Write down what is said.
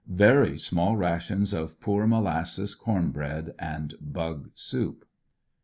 Very small rations of poor molasses, corn bread and bug soup.